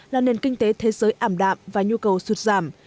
là nền kinh tế thế giới ảm đạm và nhu cầu sụt giảm